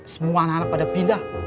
semua anak anak pada pindah